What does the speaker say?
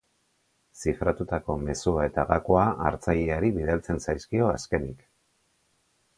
Zifratutako mezua eta gakoa hartzaileari bidaltzen zaizkio azkenik.